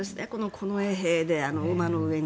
近衛兵で馬の上に。